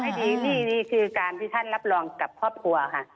ให้ดีนี่คือการที่ท่านรับรองกับครอบครัวค่ะ